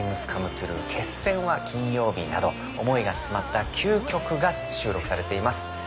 『決戦は金曜日』など思いが詰まった９曲が収録されています。